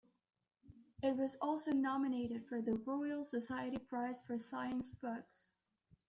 It was also nominated for the Royal Society Prize for Science Books.